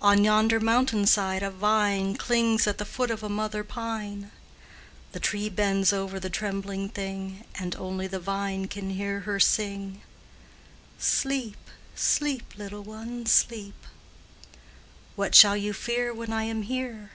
On yonder mountain side a vine Clings at the foot of a mother pine; The tree bends over the trembling thing, And only the vine can hear her sing: "Sleep, sleep, little one, sleep; What shall you fear when I am here?